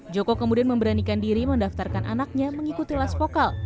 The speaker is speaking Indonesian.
joko kemudian memberanikan diri mendaftarkan anaknya mengikuti las vokal